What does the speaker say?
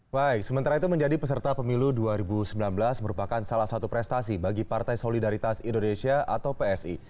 baik sementara itu menjadi peserta pemilu dua ribu sembilan belas merupakan salah satu prestasi bagi partai solidaritas indonesia atau psi